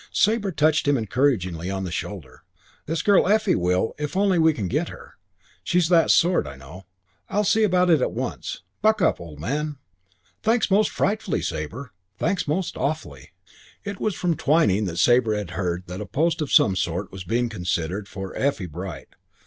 Sabre touched him encouragingly on the shoulder. "This girl Effie will if only we can get her. She's that sort, I know. I'll see about it at once. Buck up, old man." "Thanks most frightfully, Sabre. Thanks most awfully." IX It was from Twyning that Sabre had heard that a post of some sort was being considered for Effie Bright.